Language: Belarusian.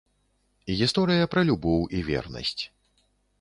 Гісторыя пра любоў і вернасць.